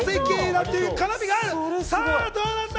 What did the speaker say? さぁどうなんだ？